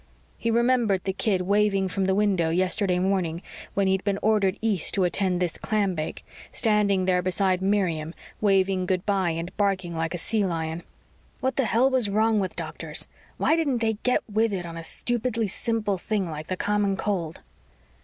_ He remembered the kid waving from the window yesterday morning when he'd been ordered East to attend this clambake standing there beside Miriam, waving good bye and barking like a sea lion. _What the hell was wrong with doctors? Why didn't they get with it on a stupidly simple thing like the common cold?